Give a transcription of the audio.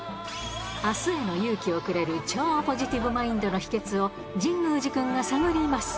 あすへの勇気をくれる超ポジティブマインドの秘けつを神宮寺君が探ります。